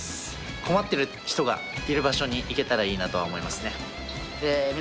困ってる人がいる場所に行けたらいいなとは思いますね。